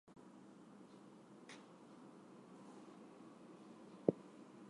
It also includes left-field and investigative features on wider computing culture.